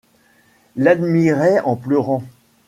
L'admirait en pleurant.